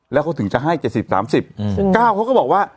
แล้วเขาถึงจะให้๗๐๓๐ซึ่ง๙เขาก็บอกว่า